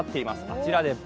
あちらです